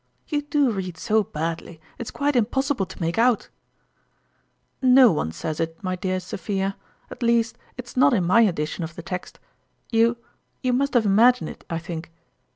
You do read so badly, it's quite impossible to make out !"" No one says it, my dear Sophia ; at least, it's not in my edition of the text. You you must have imagined it, I think